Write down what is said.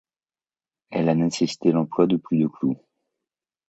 Elle a nécessité l'emploi de plus de clous.